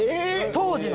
当時の。